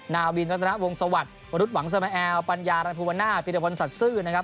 นาวินรัตนาวงศวรรษวรุษวังสมแอลปัญญารัพธุวรรณาฟิรัพยาปรสัตว์ซื่อนะครับ